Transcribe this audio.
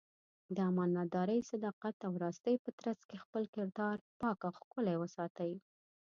د امانتدارۍ، صداقت او راستۍ په ترڅ کې خپل کردار پاک او ښکلی وساتي.